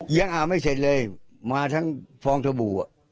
ยังอ่านไม่เสร็จเลยมาทั้งฟองสบู่